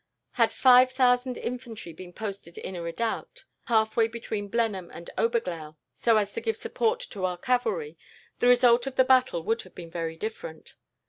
Had five thousand infantry been posted in a redoubt, halfway between Blenheim and Oberglau, so as to give support to our cavalry, the result of the battle would have been very different.